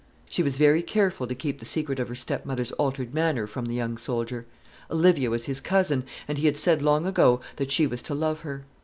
She was very careful to keep the secret of her stepmother's altered manner from the young soldier. Olivia was his cousin, and he had said long ago that she was to love her.